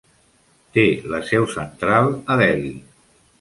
Té la seu central a Delhi.